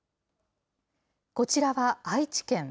こちらは愛知県。